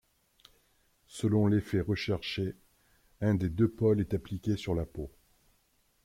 Selon l'effet recherché, un des deux pôles est appliqué sur la peau.